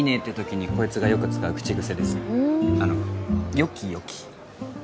よきよき？